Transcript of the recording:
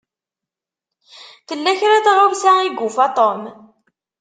Tella kra n tɣawsa i yufa Tom.